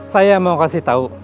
saya mau kasih tau